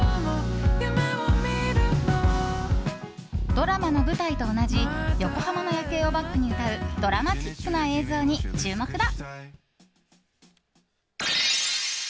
ドラマの舞台と同じ横浜の夜景をバックに歌うドラマティックな映像に注目だ。